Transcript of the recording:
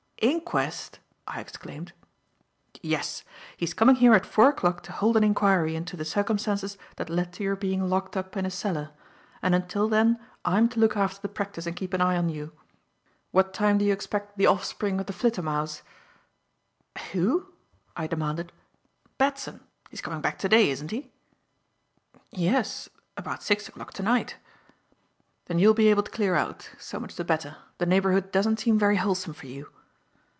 "Inquest?" I exclaimed. "Yes. He's coming here at four o'clock to hold an inquiry into the circumstances that led to your being locked up in a cellar, and until then I'm to look after the practice and keep an eye on you. What time do you expect the offspring of the flittermouse?" "Who?" I demanded. "Batson. He's coming back to day, isn't he?" "Yes. About six o'clock to night." "Then you'll be able to clear out. So much the better. The neighbourhood doesn't seem very wholesome for you."